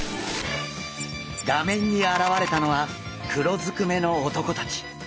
画面に現れたのは黒ずくめの男たち。